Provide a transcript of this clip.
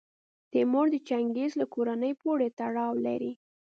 تیمور د چنګیز له کورنۍ پورې تړاو لري.